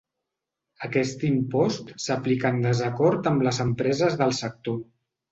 Aquest impost s’aplica en desacord amb les empreses del sector.